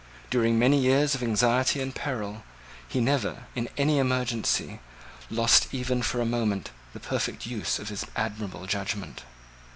During many years of anxiety and peril, he never, in any emergency, lost even for a moment, the perfect use of his admirable judgment.